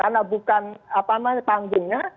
karena bukan panggungnya